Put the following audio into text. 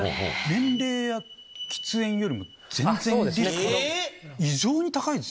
年齢や喫煙よりも全然リスクが異常に高いですね。